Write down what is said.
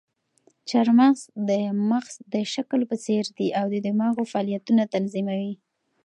چهارمغز د مغز د شکل په څېر دي او د دماغو فعالیتونه تنظیموي.